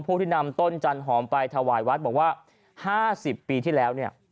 ผู้ที่นำต้นจันหอมไปถวายวัดบอกว่า๕๐ปีที่แล้วเนี่ย